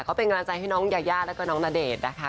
ก็เป็นกำลังใจให้น้องยายาแล้วก็น้องณเดชน์นะคะ